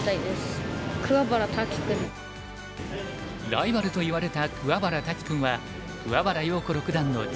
ライバルといわれた桑原多喜くんは桑原陽子六段の次男。